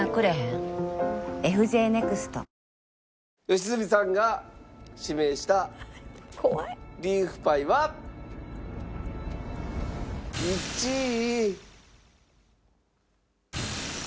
良純さんが指名したリーフパイは１位。